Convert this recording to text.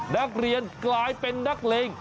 นักเรียนกลายเป็นนักเลง